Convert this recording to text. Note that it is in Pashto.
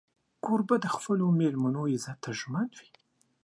کوربه د خپلو مېلمنو عزت ته ژمن وي.